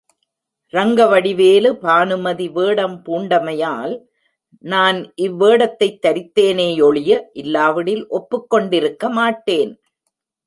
ரங்கவடிவேலு பானுமதி வேடம் பூண்டமையால், நான் இவ் வேடத்தைத் தரித்தேனே யொழிய இல்லாவிடில் ஒப்புக் கொண்டிருக்க மாட்டேன்.